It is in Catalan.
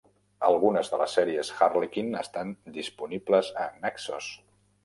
Algunes de les sèries Harlequin estan disponibles a Naxos.